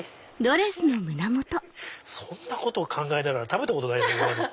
そんなことを考えながら食べたことない。